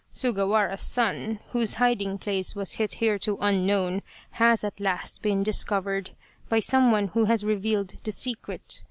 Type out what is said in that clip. Sugawara's son, whose hiding place was hitherto unknown, has at last been discovered by some one who has revealed the secret.